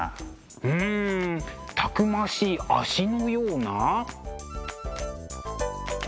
うんたくましい足のような。